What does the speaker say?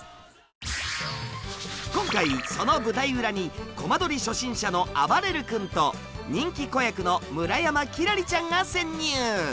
今回その舞台裏にコマ撮り初心者のあばれる君と人気子役の村山輝星ちゃんが潜入！